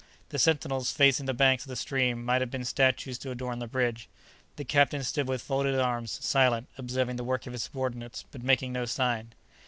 The sentinels, facing the banks of the stream, might have been statues to adorn the bridge. The captain stood with folded arms, silent, observing the work of his subordinates, but making no sign.